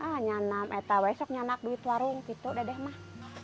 ah hanya enam etah besoknya nak duit warung gitu dedeh mak